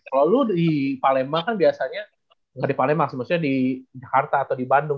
lalu di palembang kan biasanya di palembang maksudnya di jakarta atau di bandung